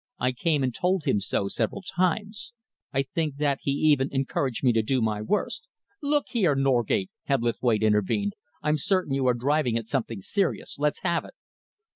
"I came and told him so several times. I think that he even encouraged me to do my worst." "Look here, Norgate," Hebblethwaite intervened, "I'm certain you are driving at something serious. Let's have it."